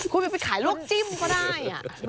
คุณไปขายลวกจิ้มก็ได้